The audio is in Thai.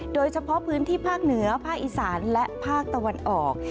โดยเฉพาะพื้นที่ภาคเหนือภาคอีสานและภาคตะวันออก